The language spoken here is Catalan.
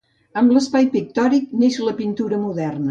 Amb l'espai pictòric neix la pintura moderna.